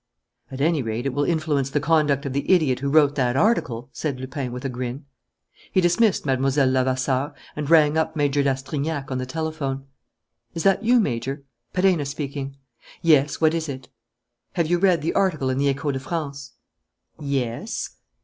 "At any rate, it will influence the conduct of the idiot who wrote that article," said Lupin, with a grin. He dismissed Mlle. Levasseur and rang up Major d'Astrignac on the telephone. "Is that you, Major? Perenna speaking." "Yes, what is it?" "Have you read the article in the Echo de France?" "Yes."